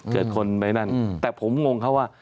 เกิดคนไปนั่นแต่ผมงงเขาว่า